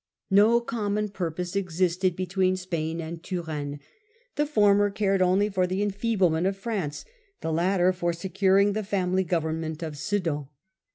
No common purpose existed between Spain and Turenne : the former cared only for the enfeeblement of France ; the latter for securing the family government of S£dan.